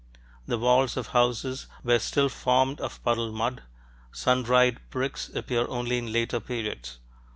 The walls of houses were still formed of puddled mud; sun dried bricks appear only in later periods.